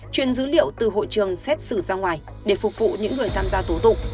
chuyển dữ liệu từ hội trường xét xử ra ngoài để phục vụ những người tham gia tổ tụ